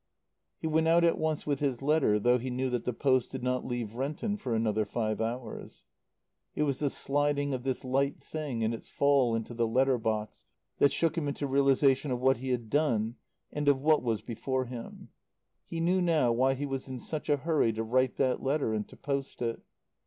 He went out at once with his letter, though he knew that the post did not leave Renton for another five hours. It was the sliding of this light thing and its fall into the letter box that shook him into realization of what he had done and of what was before him. He knew now why he was in such a hurry to write that letter and to post it.